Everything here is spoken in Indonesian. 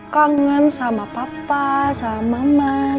kangen sama papa sama mama sama om baik juga